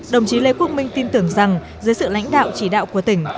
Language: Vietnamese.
đồng chí lê quốc minh tin tưởng rằng dưới sự lãnh đạo chỉ đạo của tỉnh